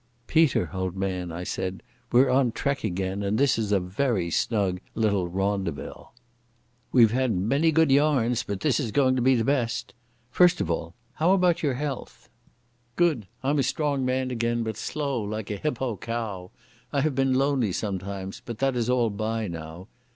"Peter, old man," I said, "we're on trek again, and this is a very snug little rondavel. We've had many good yarns, but this is going to be the best. First of all, how about your health?" "Good, I'm a strong man again, but slow like a hippo cow. I have been lonely sometimes, but that is all by now.